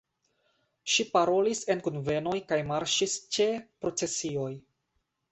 Ŝi parolis en kunvenoj kaj marŝis ĉe procesioj.